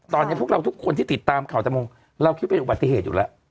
ตอนนี้พวกเราทุกคนที่ติดตามข่าวตะโมงเราคิดเป็นอุปสรรค์อาชิริยะอยู่แล้ว